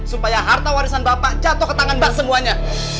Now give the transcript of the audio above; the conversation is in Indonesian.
supaya harta warisan bapak jatuh ke tangan mbak semuanya